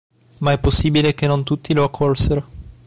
Ma è possibile che non tutti lo accolsero.